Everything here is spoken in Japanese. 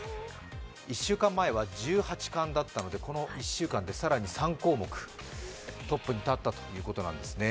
１週間前は１８冠だったのでこの１週間で更に３項目トップに立ったということです。